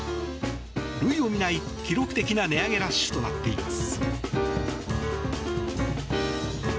類を見ない、記録的な値上げラッシュとなっています。